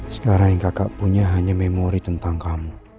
sekarang yang kakak punya hanya memori tentang kamu